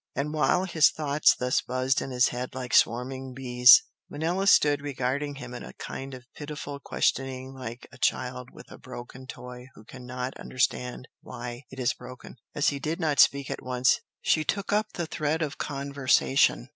And while his thoughts thus buzzed in his head like swarming bees, Manella stood regarding him in a kind of pitiful questioning like a child with a broken toy who can not understand "why" it is broken. As he did not speak at once she took up the thread of conversation.